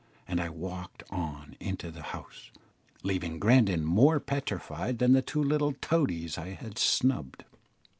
And I walked on into the House, leaving Grandon more petrified than the two little toadies I had snubbed.